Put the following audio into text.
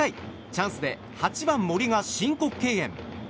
チャンスで８番、森が申告敬遠。